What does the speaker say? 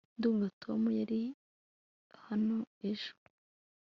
ndumva tom yari hano ejo